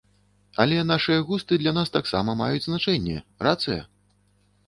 Але нашыя густы для нас таксама маюць значэнне, рацыя?